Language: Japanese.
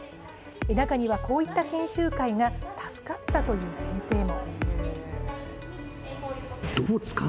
中にはこういった研修会が助かったという先生も。